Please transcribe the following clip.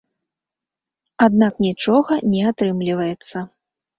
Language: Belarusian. Аднак нічога не атрымліваецца.